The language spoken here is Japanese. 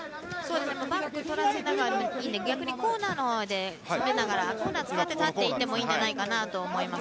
バック取らせながらでもいいので逆にコーナーのほうでコーナーを使って立っていってもいいんじゃないかなと思います。